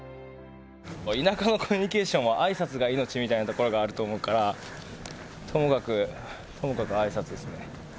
田舎のコミュニケーションはあいさつが命みたいなところがあると思うからともかくともかくあいさつですね。